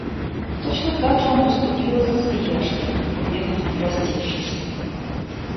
Точно так же он поступил и со Свияжским, уехав, не простившись.